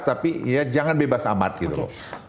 tapi ya jangan bebas amat gitu loh